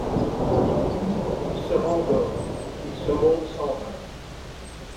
Et puis il se rendort, et ce monde s’en va.